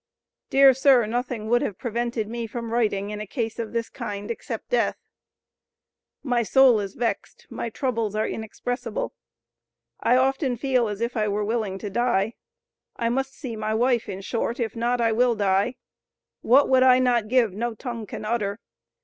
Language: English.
Dear sir, nothing would have prevented me from writing, in a case of this kind, except death. My soul is vexed, my troubles are inexpressible. I often feel as if I were willing to die. I must see my wife in short, if not, I will die. What would I not give no tongue can utter.